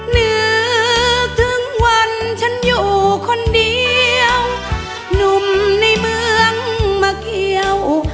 นึกถึงวันฉันอยู่คนเดียวหนุ่มในเมืองมาเกี่ยว